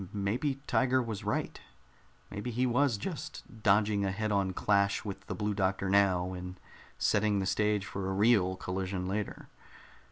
Maybe Tiger was right. Maybe he was just dodging a head on clash with the Blue Doctor now and setting the stage for a real collision later.